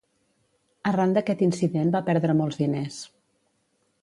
Arran d'aquest incident va perdre molts diners.